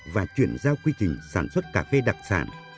và chuyển giao quy trình sản xuất cà phê đặc sản